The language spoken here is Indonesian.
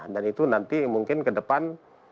dan itu nanti mungkin ke depan